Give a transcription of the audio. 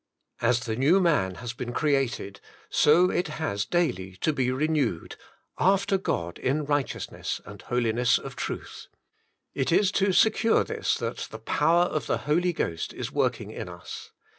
As the new man has been created, so it has daily to be renewed, " after God in righteousness and holiness of truth.'' It is to secure this that the power of the Holy Ghost is working in us.